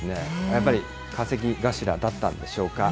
やっぱり、稼ぎ頭だったんでしょうか。